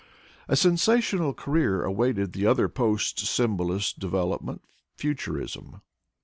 A sensational career awaited the other post symbolist f development, futurism.